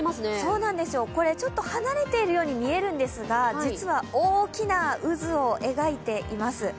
これ、離れているように見えるんですが実は大きな渦を描いています。